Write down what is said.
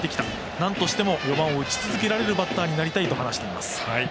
なんとしても４番を打ち続けられるバッターになりたいと話をしています。